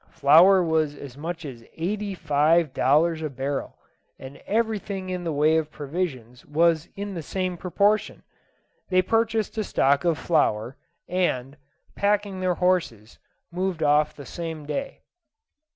Flour was as much as eighty five dollars a barrel, and everything in the way of provisions was in the same proportion. They purchased a stock of flour, and, packing their horses, moved off the same day.